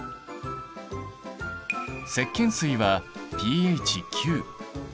石けん水はｐＨ９。